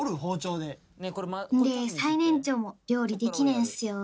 んで最年長も料理できねえんすよ